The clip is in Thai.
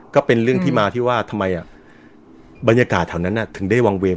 ก็เป็นเรื่องที่มาที่ว่าทำไมบรรยากาศแถวนั้นถึงได้วางเวร